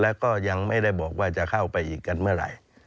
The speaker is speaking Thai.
แล้วก็ยังไม่ได้บอกว่าจะเข้าไปอีกกันเมื่อไหร่